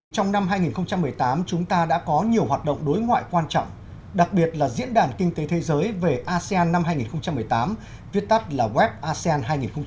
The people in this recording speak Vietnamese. trong năm hai nghìn một mươi tám chúng ta đã có nhiều hoạt động đối ngoại quan trọng đặc biệt là diễn đàn kinh tế thế giới về asean năm hai nghìn một mươi tám viết tắt là web asean hai nghìn một mươi chín